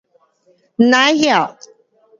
甭晓